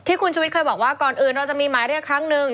คุณชุวิตเคยบอกว่าก่อนอื่นเราจะมีหมายเรียกครั้งหนึ่ง